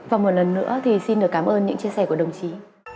và một lần nữa thì xin được cảm ơn những chia sẻ của đồng chí